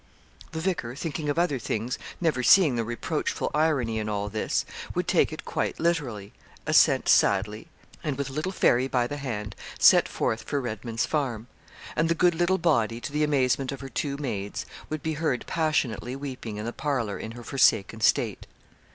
The vicar, thinking of other things, never seeing the reproachful irony in all this, would take it quite literally, assent sadly, and with little Fairy by the hand, set forth for Redman's Farm; and the good little body, to the amazement of her two maids, would be heard passionately weeping in the parlour in her forsaken state.